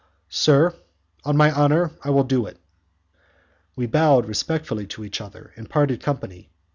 "Sir, on my honour I will do it." We bowed respectfully to each other, and parted company.